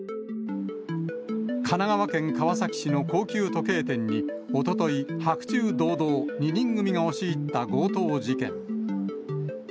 神奈川県川崎市の高級時計店におととい、白昼堂々、２人組が押し入った強盗事件。